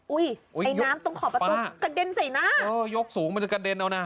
ไอ้น้ำตรงขอบประตูกระเด็นใส่หน้าเออยกสูงมันจะกระเด็นเอานะ